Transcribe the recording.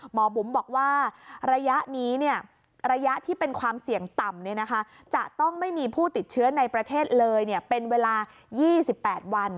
บุ๋มบอกว่าระยะนี้ระยะที่เป็นความเสี่ยงต่ำจะต้องไม่มีผู้ติดเชื้อในประเทศเลยเป็นเวลา๒๘วัน